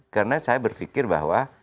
karena saya berpikir bahwa